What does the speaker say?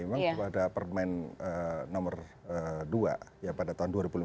emang pada permain nomor dua ya pada tahun dua ribu lima belas